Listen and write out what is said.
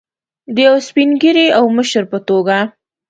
د یو سپین ږیري او مشر په توګه.